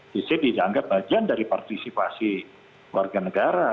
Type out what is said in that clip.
jc dianggap bagian dari partisipasi warga negara